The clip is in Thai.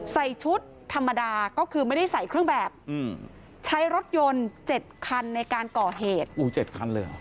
ใส่ชุดธรรมดาก็คือไม่ได้ใส่เครื่องแบบใช้รถยนต์๗คันในการก่อเหตุ